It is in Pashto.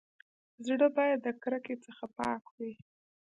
زړه بايد د کرکي څخه پاک وي.